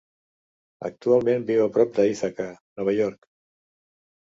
Actualment viu a prop d'Ithaca, Nova York.